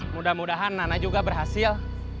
mudah mudahan nana juga berhasil